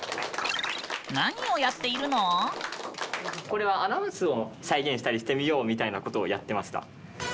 これはアナウンスを再現したりしてみようみたいなことをやってました。